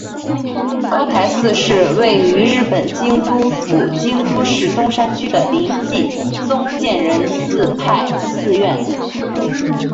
高台寺是位在日本京都府京都市东山区的临济宗建仁寺派寺院。